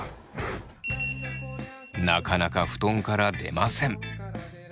なかなか布団から出ません。